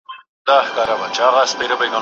سل ځله مي خپل کتاب له ده سره کتلی دی